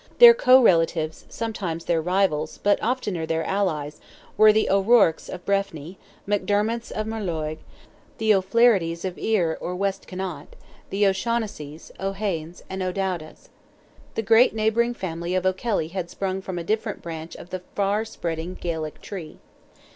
Their co relatives, sometimes their rivals, but oftener their allies, were the O'Ruarcs of Breffny, McDermots of Moylurg, the O'Flahertys of Iar or West Connaught, the O'Shaughnessys, O'Heynes, and O'Dowdas. The great neighbouring family of O'Kelly had sprung from a different branch of the far spreading Gaelic tree.